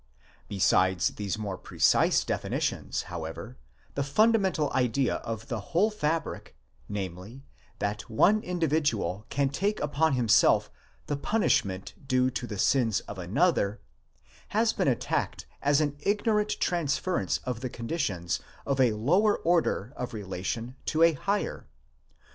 Besides these more precise definitions, however, the fundamental idea of the whole fabric, namely, that one individual can take upon himself the punishment due to the sins of another, has been attacked as an ignorant transference of the conditions of a lower order of relation to a higher.